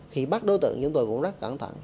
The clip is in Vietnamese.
khi bắt đối tượng chúng tôi cũng rất cẩn thận